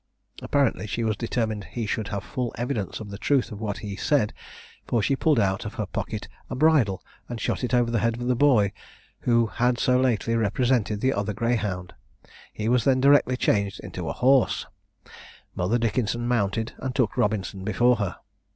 Apparently, she was determined he should have full evidence of the truth of what he said, for she pulled out of her pocket a bridle, and shot it over the head of the boy, who had so lately represented the other greyhound. He was then directly changed into a horse; Mother Dickenson mounted, and took Robinson before her.